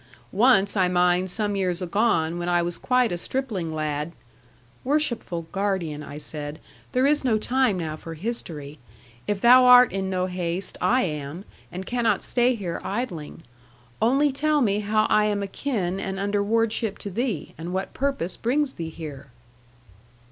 Once I mind some years agone, when I was quite a stripling lad " '"Worshipful guardian," I said, "there is no time now for history. If thou art in no haste, I am, and cannot stay here idling. Only tell me how I am akin and under wardship to thee, and what purpose brings thee here."